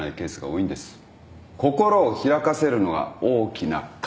心を開かせるのが大きな壁。